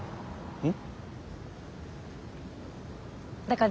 うん。